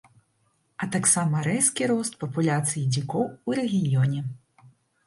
А таксама рэзкі рост папуляцыі дзікоў у рэгіёне.